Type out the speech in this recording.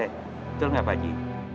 betul nggak pak haji